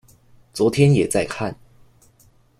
昨天也在看